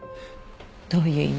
どういう意味？